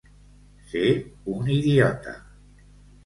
Ser un idiota.